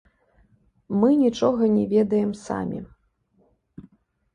Мы нічога не ведаем самі.